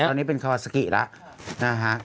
แต่ตอนนี้เป็นคาวาซิกิแล้ว